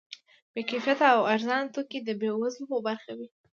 بې کیفیته او ارزانه توکي د بې وزلو په برخه وي.